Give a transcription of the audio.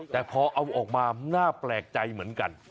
แต่พอเอาออกมาน่าแปลกใจเหมือนกัน